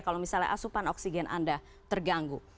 kalau misalnya asupan oksigen anda terganggu